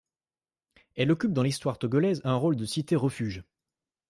Elle occupe dans l'histoire togolaise, un rôle de cité refuge.